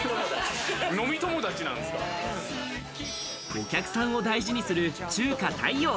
お客さんを大事にする中華太陽。